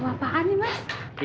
mau apaan nih mas